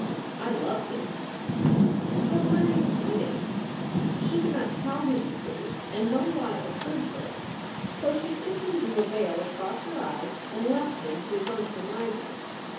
"I loved it." "Then why are you quitting?" She could not tell him the truth and no lie occurred to her, so she simply drew a veil across her eyes and left him to his own surmises.